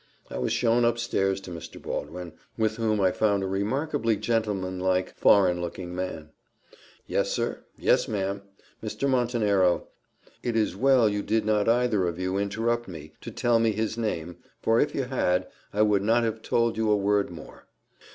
I was shown up stairs to Mr. Baldwin, with whom I found a remarkably gentlemanlike foreign looking man. "Yes, sir yes, ma'am Mr. Montenero: it is well you did not either of you interrupt me to tell me his name, for if you had, I would not have told you a word more.